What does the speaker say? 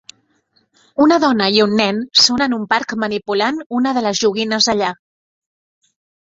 Una dona i un nen són en un parc manipulant una de les joguines allà.